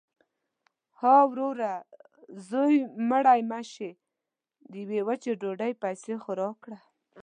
– ها وروره! زوی مړی مه شې. د یوې وچې ډوډۍ پیسې خو راکه.